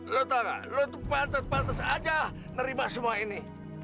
lo tau gak lo tuh pantas pantas aja nerima semua ini